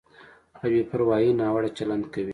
په بې پروایۍ ناوړه چلند کوي.